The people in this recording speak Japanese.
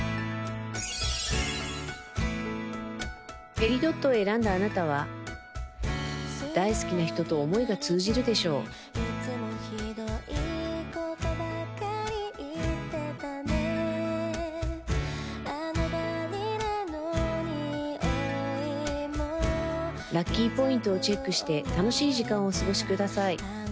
ペリドットを選んだあなたは大好きな人と思いが通じるでしょうラッキーポイントをチェックして楽しい時間をお過ごしください